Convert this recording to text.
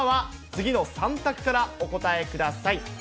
次の３択からお答えください。